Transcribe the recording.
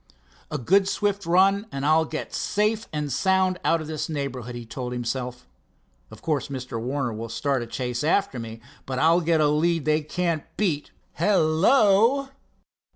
"A good swift run, and I'll get safe and sound out of the neighborhood," he told himself. "Of course Mr. Warner will start a chase after me, but I'll get a lead they can't beat. Hello!"